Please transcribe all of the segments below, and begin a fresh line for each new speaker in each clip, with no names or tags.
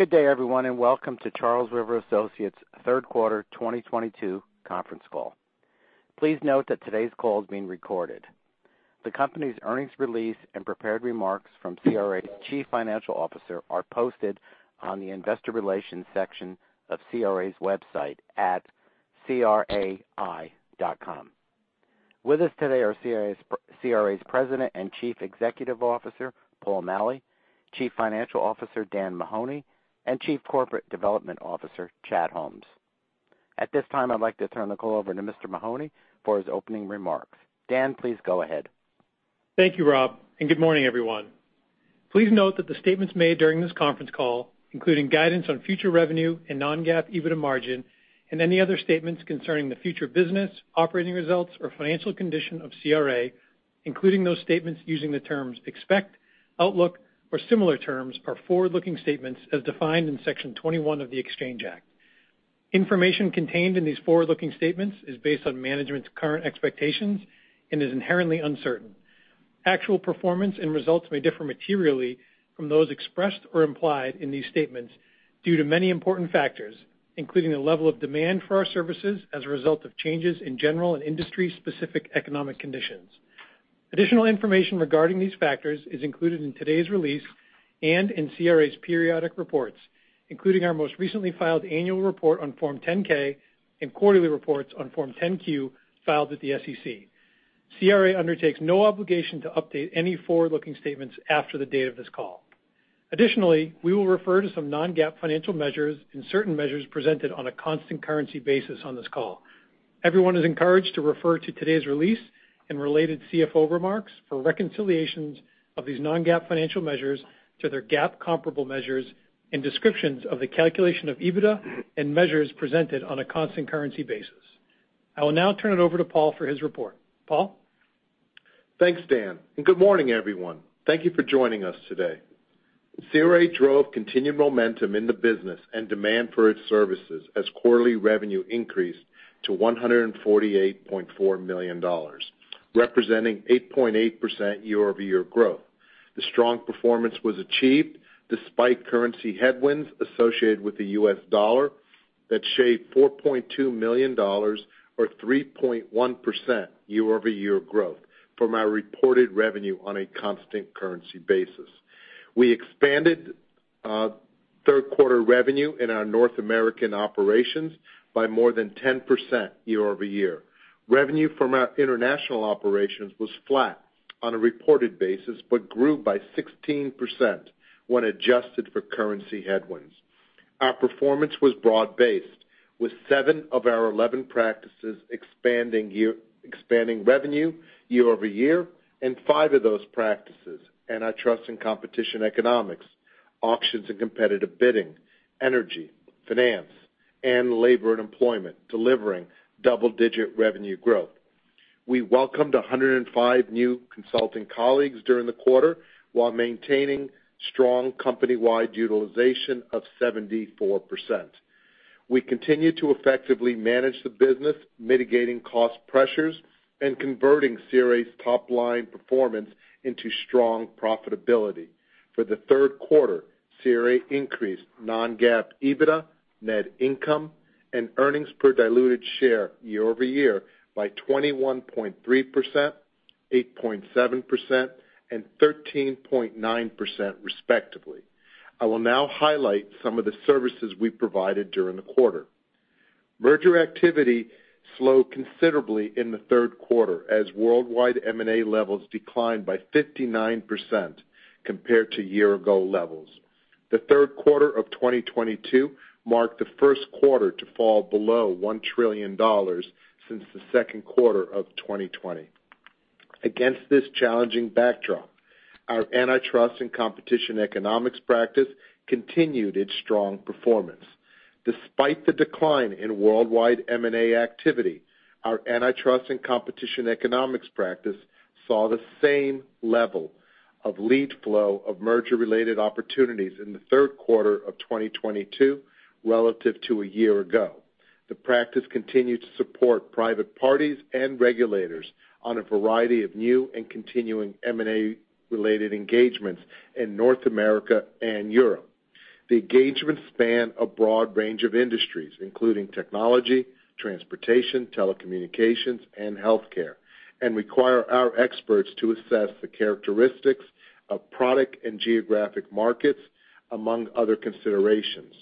Good day, everyone, and welcome to Charles River Associates' Third Quarter 2022 Conference Call. Please note that today's call is being recorded. The company's earnings release and prepared remarks from CRA's Chief Financial Officer are posted on the Investor Relations section of CRA's website at crai.com. With us today are CRA's President and Chief Executive Officer, Paul Maleh, Chief Financial Officer, Dan Mahoney, and Chief Corporate Development Officer, Chad Holmes. At this time, I'd like to turn the call over to Mr. Mahoney for his opening remarks. Dan, please go ahead.
Thank you, Rob, and good morning, everyone. Please note that the statements made during this conference call, including guidance on future revenue and non-GAAP EBITDA margin and any other statements concerning the future business, operating results or financial condition of CRA, including those statements using the terms expect, outlook or similar terms, are forward-looking statements as defined in Section 21 of the Exchange Act. Information contained in these forward-looking statements is based on management's current expectations and is inherently uncertain. Actual performance and results may differ materially from those expressed or implied in these statements due to many important factors, including the level of demand for our services as a result of changes in general and industry-specific economic conditions. Additional information regarding these factors is included in today's release and in CRA's periodic reports, including our most recently filed annual report on Form 10-K and quarterly reports on Form 10-Q filed with the SEC. CRA undertakes no obligation to update any forward-looking statements after the date of this call. Additionally, we will refer to some non-GAAP financial measures and certain measures presented on a constant currency basis on this call. Everyone is encouraged to refer to today's release and related CFO remarks for reconciliations of these non-GAAP financial measures to their GAAP comparable measures and descriptions of the calculation of EBITDA and measures presented on a constant currency basis. I will now turn it over to Paul for his report. Paul?
Thanks, Dan, and good morning, everyone. Thank you for joining us today. CRA drove continued momentum in the business and demand for its services as quarterly revenue increased to $148.4 million, representing 8.8% year-over-year growth. The strong performance was achieved despite currency headwinds associated with the U.S. dollar that shaved $4.2 million or 3.1% year-over-year growth from our reported revenue on a constant currency basis. We expanded third quarter revenue in our North American operations by more than 10% year-over-year. Revenue from our international operations was flat on a reported basis, but grew by 16% when adjusted for currency headwinds. Our performance was broad-based, with seven of our 11 practices expanding revenue year-over-year, and five of those practices, Antitrust & Competition Economics, Auctions & Competitive Bidding, Energy, Finance, and Labor and Employment, delivering double-digit revenue growth. We welcomed 105 new consulting colleagues during the quarter while maintaining strong company-wide utilization of 74%. We continue to effectively manage the business, mitigating cost pressures and converting CRA's top line performance into strong profitability. For the third quarter, CRA increased non-GAAP EBITDA, net income and earnings per diluted share year-over-year by 21.3%, 8.7% and 13.9%, respectively. I will now highlight some of the services we provided during the quarter. Merger activity slowed considerably in the third quarter as worldwide M&A levels declined by 59% compared to year-ago levels. The third quarter of 2022 marked the first quarter to fall below $1 trillion since the second quarter of 2020. Against this challenging backdrop, our Antitrust and Competition Economics practice continued its strong performance. Despite the decline in worldwide M&A activity, our Antitrust and Competition Economics practice saw the same level of lead flow of merger-related opportunities in the third quarter of 2022 relative to a year ago. The practice continued to support private parties and regulators on a variety of new and continuing M&A-related engagements in North America and Europe. The engagements span a broad range of industries, including technology, transportation, telecommunications and healthcare, and require our experts to assess the characteristics of product and geographic markets, among other considerations.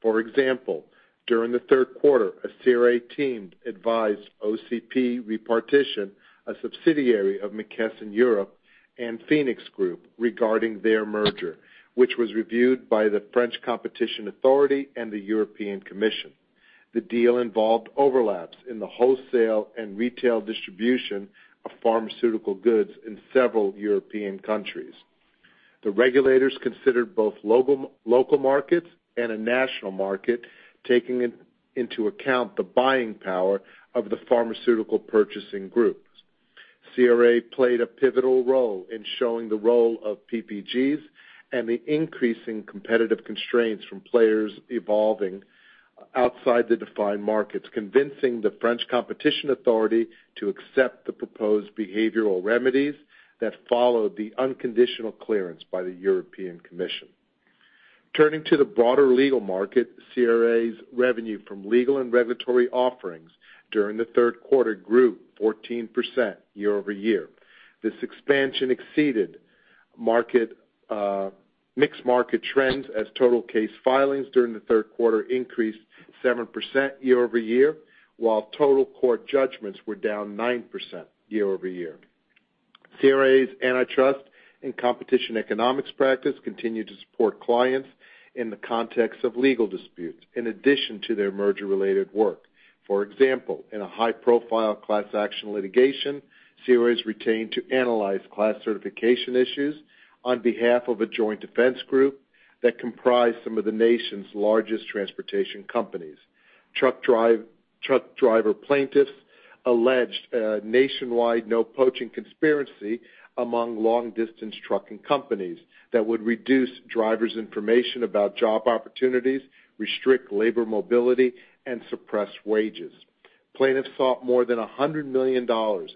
For example, during the third quarter, a CRA team advised OCP Répartition, a subsidiary of McKesson Europe AG, and PHOENIX Group regarding their merger, which was reviewed by the French Competition Authority and the European Commission. The deal involved overlaps in the wholesale and retail distribution of pharmaceutical goods in several European countries. The regulators considered both local markets and a national market, taking into account the buying power of the pharmaceutical purchasing groups. CRA played a pivotal role in showing the role of PPGs and the increasing competitive constraints from players evolving outside the defined markets, convincing the French Competition Authority to accept the proposed behavioral remedies that followed the unconditional clearance by the European Commission. Turning to the broader Legal market, CRA's revenue from Legal and Regulatory offerings during the third quarter grew 14% year-over-year. This expansion exceeded market mixed market trends as total case filings during the third quarter increased 7% year-over-year, while total court judgments were down 9% year-over-year. CRA's Antitrust & Competition Economics practice continued to support clients in the context of legal disputes in addition to their merger-related work. For example, in a high-profile class action litigation, CRA was retained to analyze class certification issues on behalf of a joint defense group that comprised some of the nation's largest transportation companies. Truck driver plaintiffs alleged a nationwide no-poaching conspiracy among long-distance trucking companies that would reduce drivers' information about job opportunities, restrict labor mobility, and suppress wages. Plaintiffs sought more than $100 million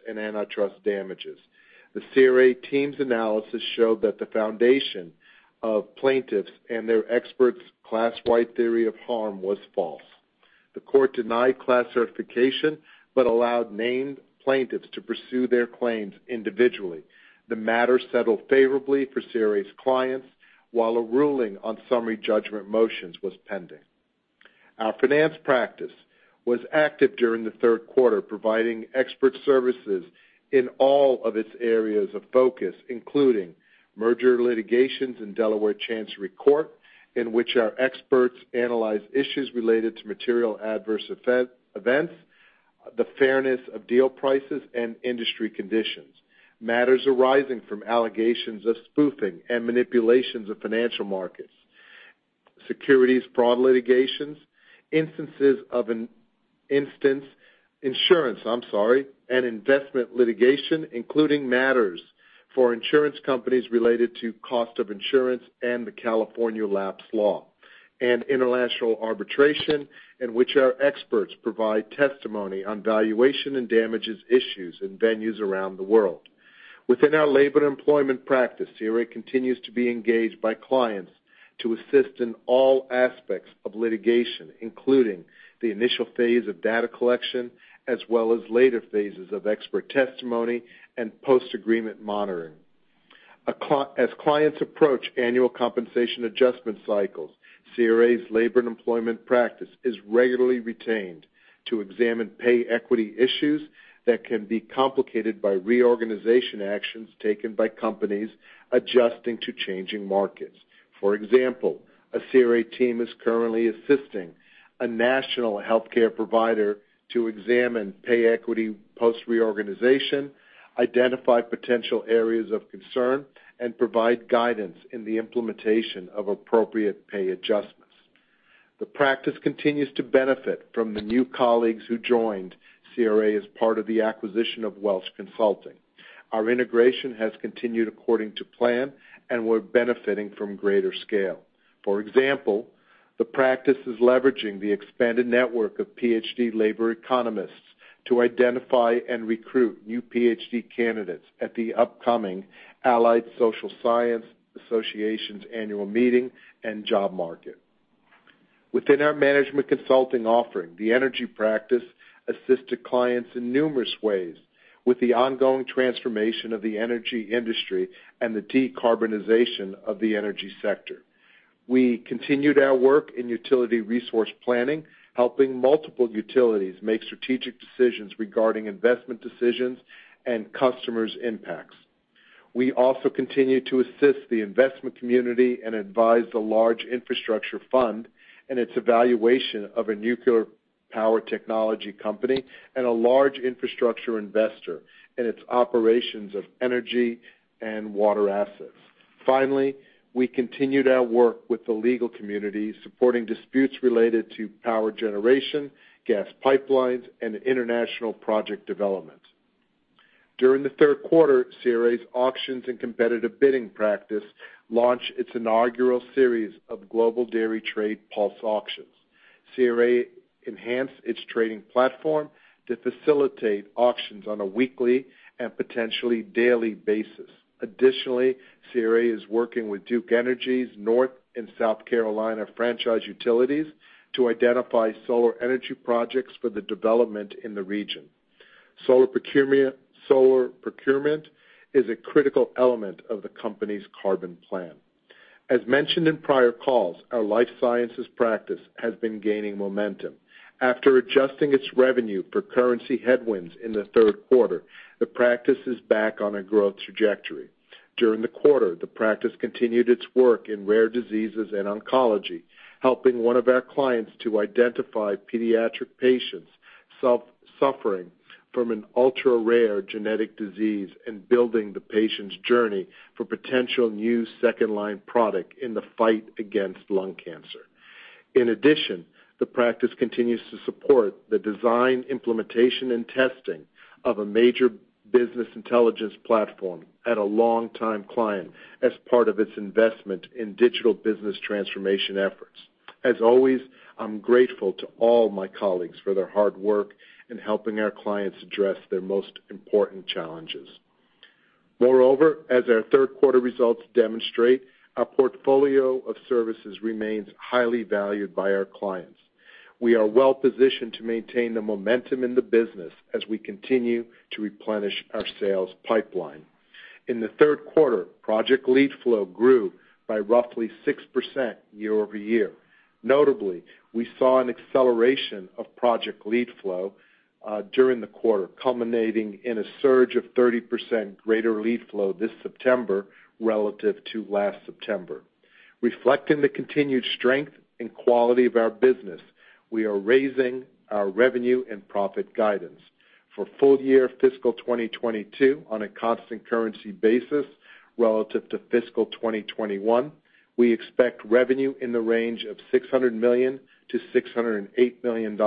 in antitrust damages. The CRA team's analysis showed that the foundation of plaintiffs' and their experts' class-wide theory of harm was false. The court denied class certification but allowed named plaintiffs to pursue their claims individually. The matter settled favorably for CRA's clients while a ruling on summary judgment motions was pending. Our finance practice was active during the third quarter, providing expert services in all of its areas of focus, including merger litigations in Delaware Chancery Court, in which our experts analyzed issues related to material adverse events, the fairness of deal prices and industry conditions, matters arising from allegations of spoofing and manipulations of financial markets, securities fraud litigations, instances of insurance and investment litigation, including matters for insurance companies related to cost of insurance and the California lapse law, and international arbitration, in which our experts provide testimony on valuation and damages issues in venues around the world. Within our Labor and Employment practice, CRA continues to be engaged by clients to assist in all aspects of litigation, including the initial phase of data collection as well as later phases of expert testimony and post-agreement monitoring. As clients approach annual compensation adjustment cycles, CRA's Labor and Employment practice is regularly retained to examine pay equity issues that can be complicated by reorganization actions taken by companies adjusting to changing markets. For example, a CRA team is currently assisting a national healthcare provider to examine pay equity post reorganization, identify potential areas of concern, and provide guidance in the implementation of appropriate pay adjustments. The practice continues to benefit from the new colleagues who joined CRA as part of the acquisition of Welch Consulting. Our integration has continued according to plan, and we're benefiting from greater scale. For example, the practice is leveraging the expanded network of PhD labor economists to identify and recruit new PhD candidates at the upcoming Allied Social Science Associations' annual meeting and job market. Within our Management Consulting offering, the Energy practice assisted clients in numerous ways with the ongoing transformation of the energy industry and the decarbonization of the energy sector. We continued our work in utility resource planning, helping multiple utilities make strategic decisions regarding investment decisions and customers' impacts. We also continued to assist the investment community and advise the large infrastructure fund in its evaluation of a nuclear power technology company and a large infrastructure investor in its operations of energy and water assets. Finally, we continued our work with the legal community, supporting disputes related to power generation, gas pipelines, and international project development. During the third quarter, CRA's Auctions & Competitive Bidding practice launched its inaugural series of Global Dairy Trade pulse auctions. CRA enhanced its trading platform to facilitate auctions on a weekly and potentially daily basis. Additionally, CRA is working with Duke Energy's North and South Carolina franchise utilities to identify solar energy projects for the development in the region. Solar procurement is a critical element of the company's carbon plan. As mentioned in prior calls, our Life Sciences Practice has been gaining momentum. After adjusting its revenue for currency headwinds in the third quarter, the practice is back on a growth trajectory. During the quarter, the practice continued its work in rare diseases and oncology, helping one of our clients to identify pediatric patients suffering from an ultra-rare genetic disease and building the patient's journey for potential new second-line product in the fight against lung cancer. In addition, the practice continues to support the design, implementation, and testing of a major business intelligence platform at a longtime client as part of its investment in digital business transformation efforts. As always, I'm grateful to all my colleagues for their hard work in helping our clients address their most important challenges. Moreover, as our third quarter results demonstrate, our portfolio of services remains highly valued by our clients. We are well-positioned to maintain the momentum in the business as we continue to replenish our sales pipeline. In the third quarter, project lead flow grew by roughly 6% year-over-year. Notably, we saw an acceleration of project lead flow during the quarter, culminating in a surge of 30% greater lead flow this September relative to last September. Reflecting the continued strength and quality of our business, we are raising our revenue and profit guidance. For full year fiscal 2022 on a constant currency basis relative to fiscal 2021, we expect revenue in the range of $600 million-$608 million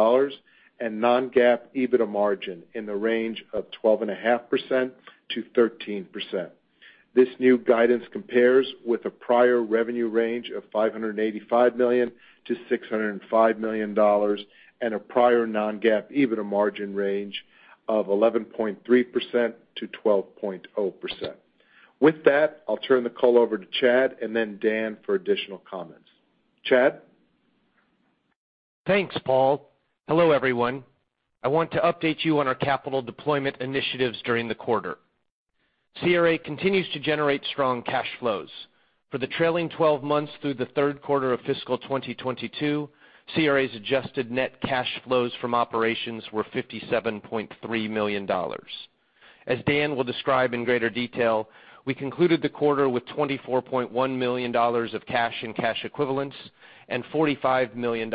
and non-GAAP EBITDA margin in the range of 12.5%-13%. This new guidance compares with a prior revenue range of $585 million-$605 million and a prior non-GAAP EBITDA margin range of 11.3%-12.0%. With that, I'll turn the call over to Chad and then Dan for additional comments. Chad?
Thanks, Paul. Hello, everyone. I want to update you on our capital deployment initiatives during the quarter. CRA continues to generate strong cash flows. For the trailing twelve months through the third quarter of fiscal 2022, CRA's adjusted net cash flows from operations were $57.3 million. As Dan will describe in greater detail, we concluded the quarter with $24.1 million of cash and cash equivalents and $45 million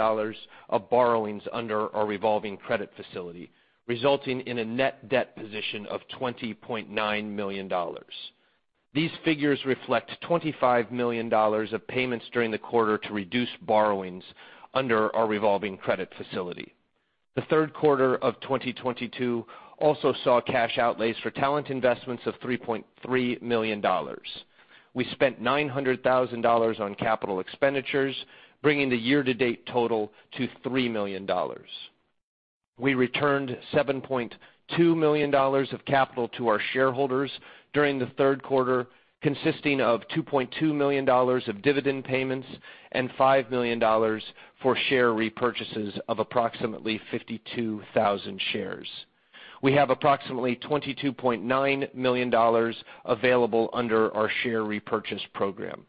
of borrowings under our revolving credit facility, resulting in a net debt position of $20.9 million. These figures reflect $25 million of payments during the quarter to reduce borrowings under our revolving credit facility. The third quarter of 2022 also saw cash outlays for talent investments of $3.3 million. We spent $900,000 on capital expenditures, bringing the year-to-date total to $3 million. We returned $7.2 million of capital to our shareholders during the third quarter, consisting of $2.2 million of dividend payments and $5 million for share repurchases of approximately 52,000 shares. We have approximately $22.9 million available under our share repurchase program.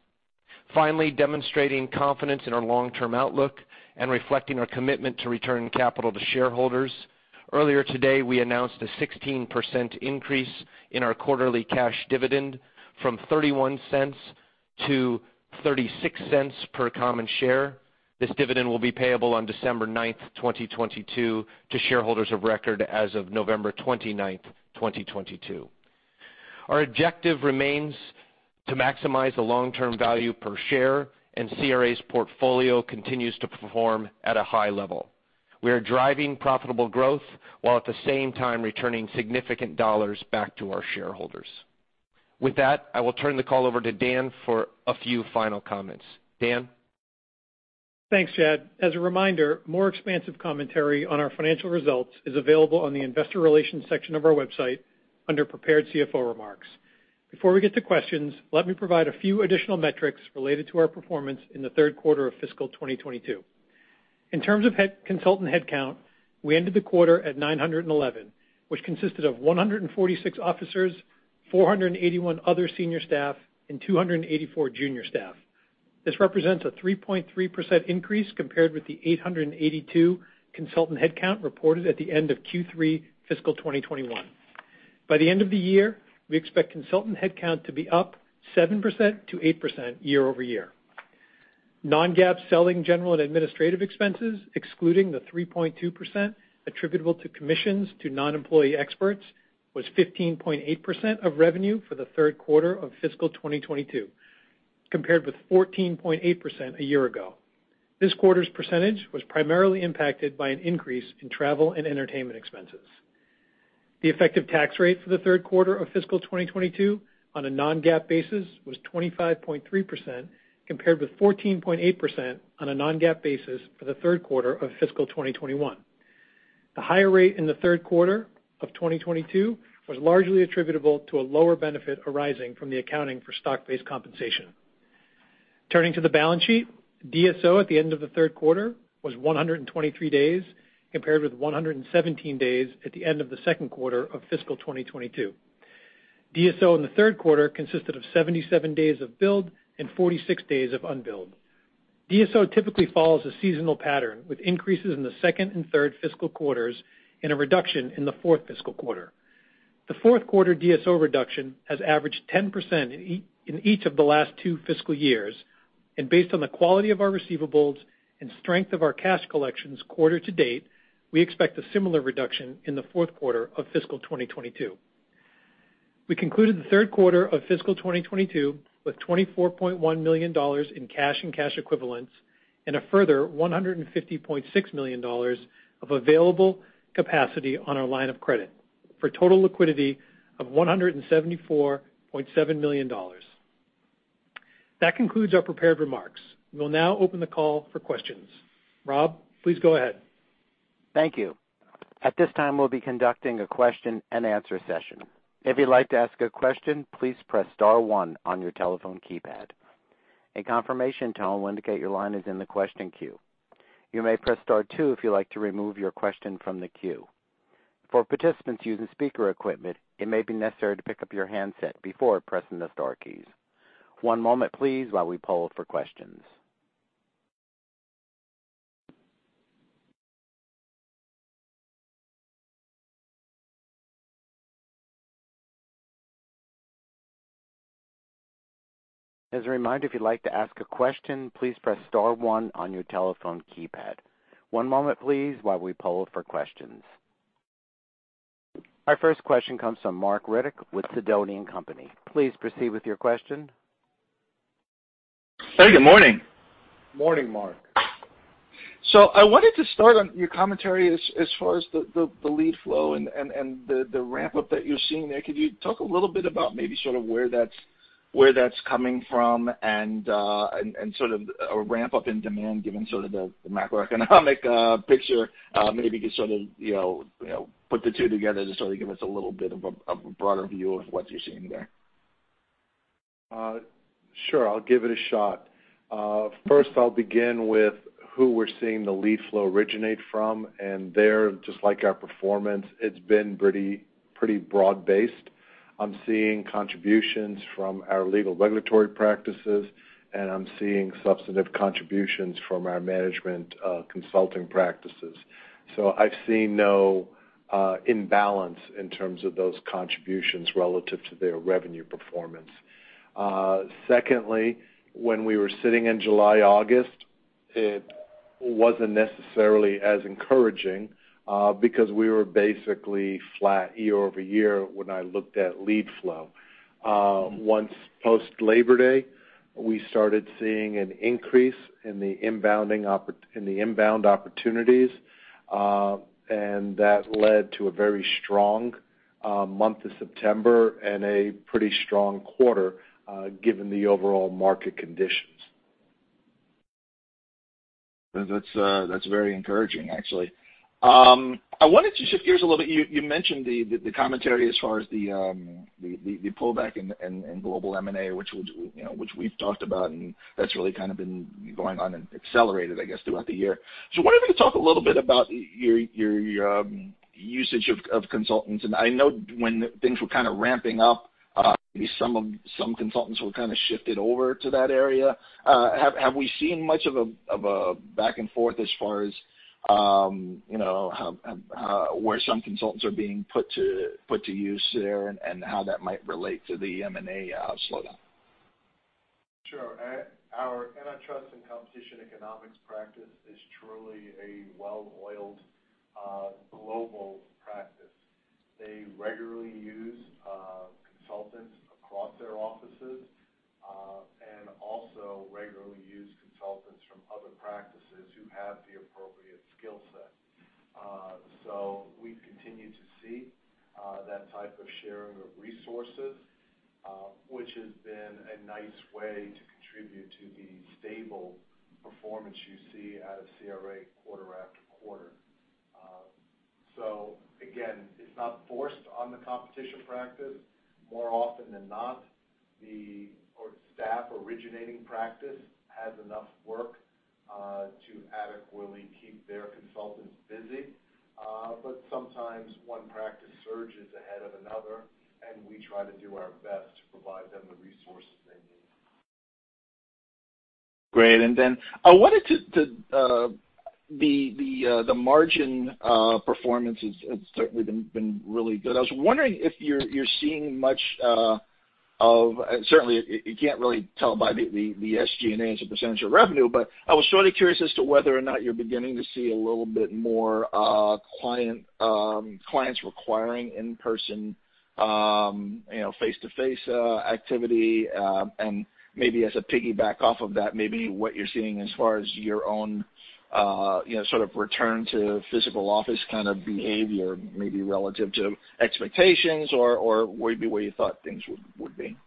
Finally, demonstrating confidence in our long-term outlook and reflecting our commitment to return capital to shareholders, earlier today we announced a 16% increase in our quarterly cash dividend from $0.31-$0.36 per common share. This dividend will be payable on December 9th, 2022 to shareholders of record as of November 29th, 2022. Our objective remains to maximize the long-term value per share, and CRA's portfolio continues to perform at a high level. We are driving profitable growth, while at the same time returning significant dollars back to our shareholders. With that, I will turn the call over to Dan for a few final comments. Dan?
Thanks, Chad. As a reminder, more expansive commentary on our financial results is available on the investor relations section of our website under Prepared CFO Remarks. Before we get to questions, let me provide a few additional metrics related to our performance in the third quarter of fiscal 2022. In terms of consultant headcount, we ended the quarter at 911, which consisted of 146 officers, 481 other senior staff, and 284 junior staff. This represents a 3.3% increase compared with the 882 consultant headcount reported at the end of Q3 fiscal 2021. By the end of the year, we expect consultant headcount to be up 7%-8% year-over-year. Non-GAAP selling general and administrative expenses, excluding the 3.2% attributable to commissions to non-employee experts, was 15.8% of revenue for the third quarter of fiscal 2022, compared with 14.8% a year ago. This quarter's percentage was primarily impacted by an increase in travel and entertainment expenses. The effective tax rate for the third quarter of fiscal 2022 on a non-GAAP basis was 25.3%, compared with 14.8% on a non-GAAP basis for the third quarter of fiscal 2021. The higher rate in the third quarter of 2022 was largely attributable to a lower benefit arising from the accounting for stock-based compensation. Turning to the balance sheet, DSO at the end of the third quarter was 123 days, compared with 117 days at the end of the second quarter of fiscal 2022. DSO in the third quarter consisted of 77 days of billed and 46 days of unbilled. DSO typically follows a seasonal pattern, with increases in the second and third fiscal quarters and a reduction in the fourth fiscal quarter. The fourth quarter DSO reduction has averaged 10% i.e., in each of the last two fiscal years. Based on the quality of our receivables and strength of our cash collections quarter to date, we expect a similar reduction in the fourth quarter of fiscal 2022. We concluded the third quarter of fiscal 2022 with $24.1 million in cash and cash equivalents and a further $150.6 million of available capacity on our line of credit. For total liquidity of $174.7 million. That concludes our prepared remarks. We'll now open the call for questions. Rob, please go ahead.
Thank you. At this time, we'll be conducting a question-and-answer session. If you'd like to ask a question, please press star one on your telephone keypad. A confirmation tone will indicate your line is in the question queue. You may press star two if you'd like to remove your question from the queue. For participants using speaker equipment, it may be necessary to pick up your handset before pressing the star keys. One moment please, while we poll for questions. As a reminder, if you'd like to ask a question, please press star one on your telephone keypad. One moment, please, while we poll for questions. Our first question comes from Marc Riddick with Sidoti & Company. Please proceed with your question.
Hey, good morning.
Morning, Marc.
I wanted to start on your commentary as far as the lead flow and the ramp-up that you're seeing there. Could you talk a little bit about maybe sort of where that's coming from and sort of a ramp-up in demand given sort of the macroeconomic picture, maybe could sort of you know put the two together to sort of give us a little bit of a broader view of what you're seeing there.
Sure. I'll give it a shot. First I'll begin with who we're seeing the lead flow originate from, and there, just like our performance, it's been pretty broad-based. I'm seeing contributions from our Legal and Regulatory practices, and I'm seeing substantive contributions from our Management Consulting practices. I've seen no imbalance in terms of those contributions relative to their revenue performance. Secondly, when we were sitting in July, August, it wasn't necessarily as encouraging because we were basically flat year-over-year when I looked at lead flow. Once post Labor Day, we started seeing an increase in the inbound opportunities, and that led to a very strong month of September and a pretty strong quarter, given the overall market conditions.
That's very encouraging, actually. I wanted to shift gears a little bit. You mentioned the commentary as far as the pullback in global M&A, which you know we've talked about, and that's really kind of been going on and accelerated, I guess, throughout the year. I was wondering to talk a little bit about your usage of consultants. I know when things were kind of ramping up, maybe some consultants were kind of shifted over to that area. Have we seen much of a back and forth as far as you know how where some consultants are being put to use there and how that might relate to the M&A slowdown?
Sure. Our Antitrust and Competition Economics practice is truly a well-oiled, global practice. They regularly use consultants across their offices and also regularly use consultants from other practices who have the appropriate skill set. We continue to see that type of sharing of resources, which has been a nice way to contribute to the stable performance you see out of CRA quarter after quarter. Again, it's not forced on the competition practice. More often than not, the originating practice has enough work to adequately keep their consultants busy. Sometimes one practice surges ahead of another, and we try to do our best to provide them the resources they need.
Great. I wanted to the margin performance has certainly been really good. I was wondering if you're seeing much. Certainly, you can't really tell by the SG&A as a percentage of revenue, but I was sort of curious as to whether or not you're beginning to see a little bit more clients requiring in-person you know face-to-face activity, and maybe as a piggyback off of that, maybe what you're seeing as far as your own you know sort of return to physical office kind of behavior, maybe relative to expectations or maybe where you thought things would be.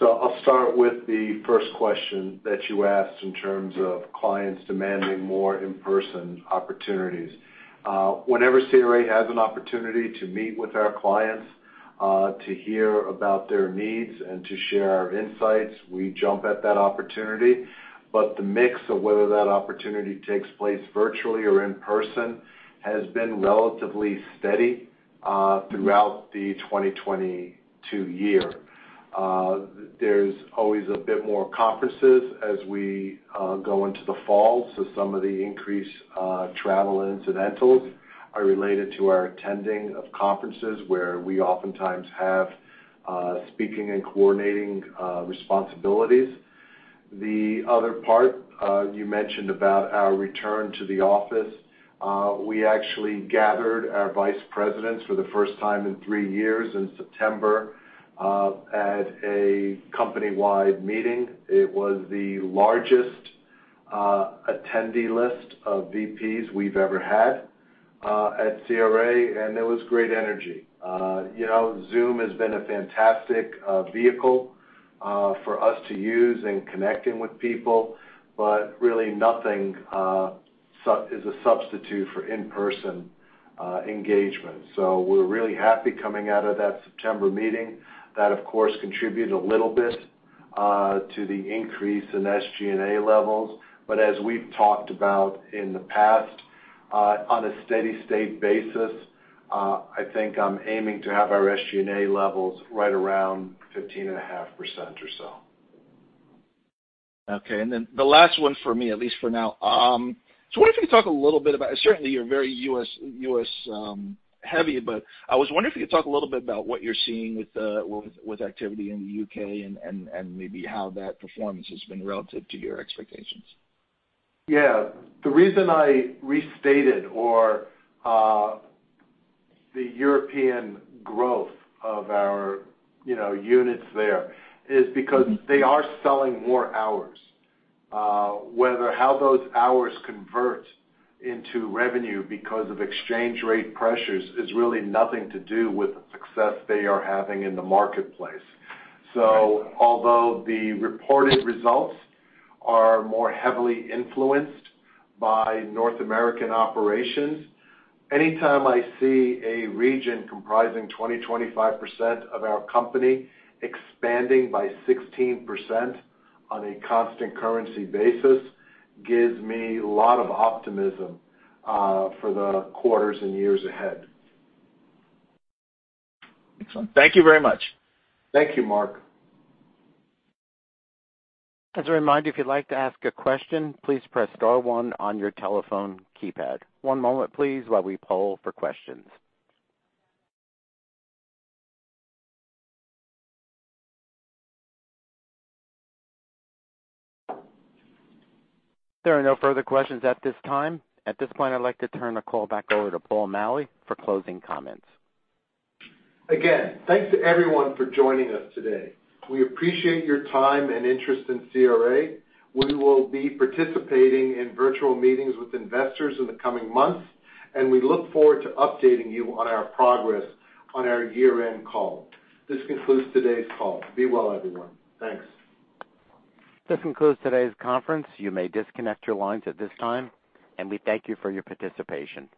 I'll start with the first question that you asked in terms of clients demanding more in-person opportunities. Whenever CRA has an opportunity to meet with our clients, to hear about their needs and to share our insights, we jump at that opportunity. The mix of whether that opportunity takes place virtually or in person has been relatively steady, throughout the 2022 year. There's always a bit more conferences as we go into the fall. Some of the increased travel incidentals are related to our attending of conferences where we oftentimes have speaking and coordinating responsibilities. The other part you mentioned about our return to the office. We actually gathered our vice presidents for the first time in three years in September at a company-wide meeting. It was the largest attendee list of VPs we've ever had at CRA, and there was great energy. You know, Zoom has been a fantastic vehicle for us to use in connecting with people, but really nothing is a substitute for in-person engagement. We're really happy coming out of that September meeting. That, of course, contributed a little bit to the increase in SG&A levels. As we've talked about in the past, on a steady-state basis, I think I'm aiming to have our SG&A levels right around 15.5% or so.
Okay. Then the last one for me, at least for now. Certainly, you're very U.S. heavy, but I was wondering if you could talk a little bit about what you're seeing with activity in the U.K. and maybe how that performance has been relative to your expectations.
Yeah. The reason I restated the European growth of our, you know, units there is because they are selling more hours. Whether or how those hours convert into revenue because of exchange rate pressures is really nothing to do with the success they are having in the marketplace. Although the reported results are more heavily influenced by North American operations, anytime I see a region comprising 20-25% of our company expanding by 16% on a constant currency basis gives me a lot of optimism for the quarters and years ahead.
Excellent. Thank you very much.
Thank you, Marc.
As a reminder, if you'd like to ask a question, please press star one on your telephone keypad. One moment, please, while we poll for questions. There are no further questions at this time. At this point, I'd like to turn the call back over to Paul Maleh for closing comments.
Again, thanks to everyone for joining us today. We appreciate your time and interest in CRA. We will be participating in virtual meetings with investors in the coming months, and we look forward to updating you on our progress on our year-end call. This concludes today's call. Be well, everyone. Thanks.
This concludes today's conference. You may disconnect your lines at this time, and we thank you for your participation.